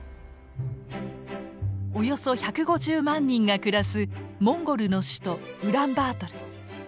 およそ１５０万人が暮らすモンゴルの首都ウランバートル。